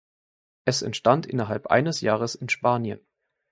Es entstand innerhalb eines Jahres in Spanien.